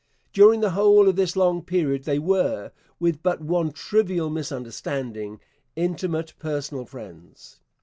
During the whole of this long period they were, with but one trivial misunderstanding, intimate personal friends.